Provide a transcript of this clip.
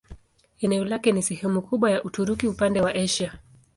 Eneo lake ni sehemu kubwa ya Uturuki upande wa Asia.